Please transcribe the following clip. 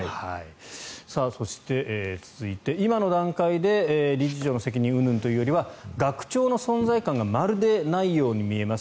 そして、続いて今の段階で理事長の責任うんぬんというよりは学長の存在感がまるでないように見えます。